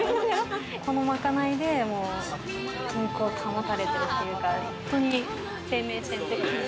この賄いで健康が保たれてるというか、本当に生命線って感じ。